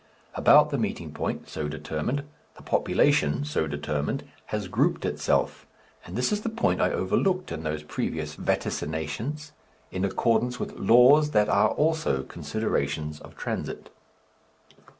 About the meeting point so determined the population so determined has grouped itself and this is the point I overlooked in those previous vaticinations in accordance with laws that are also considerations of transit.